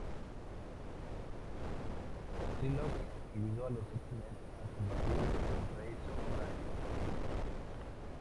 Psylocke ayudó a los X-Men a combatir al Rey Sombra en África.